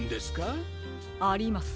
あります。